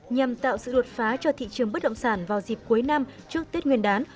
nhằm tạo sự đột phá cho thị trường bất động sản vào dịp cuối năm trước tết nguyên đán